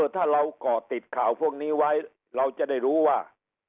ถ้าเราก่อติดข่าวพวกนี้ไว้เราจะได้รู้ว่า